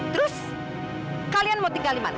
terus kalian mau tinggal di mana